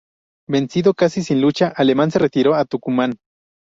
Vencido casi sin lucha, Alemán se retiró a Tucumán.